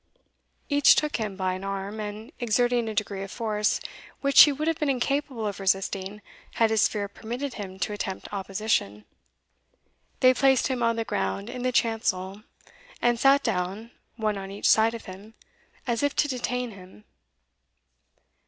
Each took him by an arm, and exerting a degree of force, which he would have been incapable of resisting had his fear permitted him to attempt opposition, they placed him on the ground in the chancel, and sat down, one on each side of him, as if to detain him.